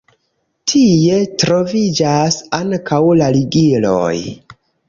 Tie troviĝas ankaŭ la ligiloj.